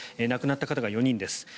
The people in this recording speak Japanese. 亡くなった方が４人です。